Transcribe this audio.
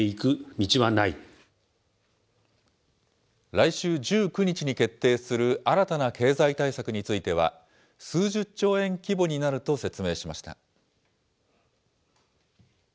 来週１９日に決定する新たな経済対策については、数十兆円規模になると説明しました。